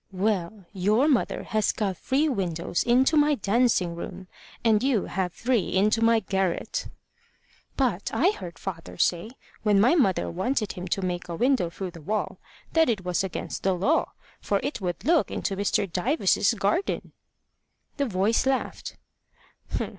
"Well, your mother has got three windows into my dancing room, and you have three into my garret." "But I heard father say, when my mother wanted him to make a window through the wall, that it was against the law, for it would look into Mr. Dyves's garden." The voice laughed.